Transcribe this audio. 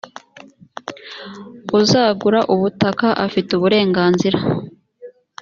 uzagura ubutaka afite uburenganzira